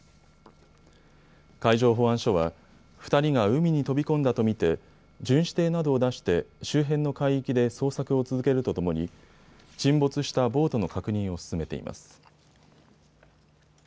海上保安署は２人が海に飛び込んだと見て巡視艇などを出して周辺の海域で捜索を続けるとともに沈没したボートの確認を進めています。